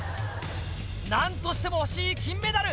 なんとしても欲しい金メダル！